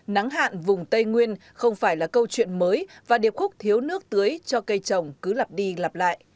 nắng hạn vùng tây nguyên không phải là câu chuyện mới và điệp khúc thiếu nước tưới cho cây trồng cứ lặp đi lặp lại